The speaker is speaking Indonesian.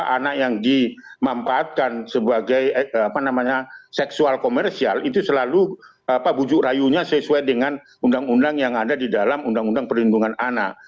anak yang dimampatkan sebagai seksual komersial itu selalu bujuk rayunya sesuai dengan undang undang yang ada di dalam undang undang perlindungan anak